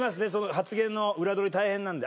発言の裏取り大変なので。